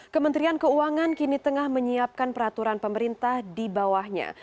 kementerian keuangan kini tengah menyiapkan peraturan pemerintah di bawahnya